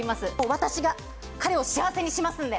私が彼を幸せにしますんで。